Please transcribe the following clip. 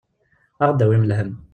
Ad aɣ-d-tawim lhemm.